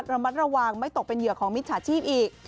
ระมัดระวังไม่ตกเป็นเหยื่อของมิจฉาชีพอีก